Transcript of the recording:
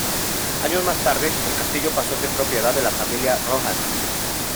Años más tarde, el castillo pasó a ser propiedad de la familia Rohan.